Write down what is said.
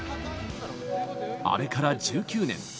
あれから１９年。